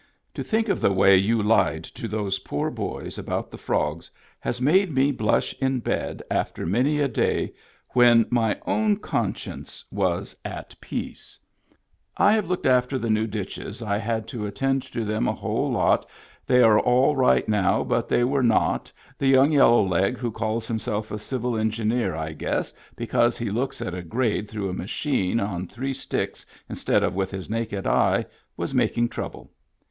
To think of the way you lied to those poor boys about the frogs has made me blush in bed after many a day when my own concience was at piece. Digitized by Google 76 MEMBERS OF THE FAMILY I have looked after the new ditches I had to at tend to them a whole lot they are all right now but they were not the young yellowleg who calls himself a civil engineer I guess becaus he looks at a grade through a machine on three sticks in stead of with his naked eye was making trouble.